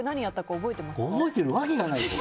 覚えてるわけがないでしょ。